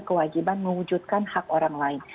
kewajiban mewujudkan hak orang lain